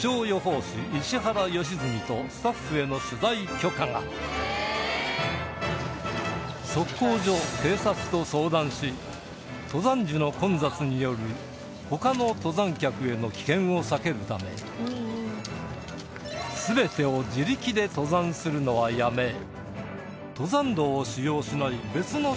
今回測候所警察と相談し登山時の混雑による他の登山客への危険を避けるため全てを自力で登山するのはやめ登山道を使用しない別の手段で山頂へ